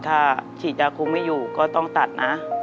ถ้าฉีดยาคุมไม่อยู่ก็ต้องตัดนะ